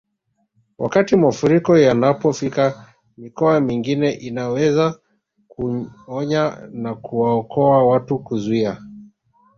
Wakati mafuriko yanapofika mikoa mingine inaweza kuonya na kuwaokoa watu kuzuia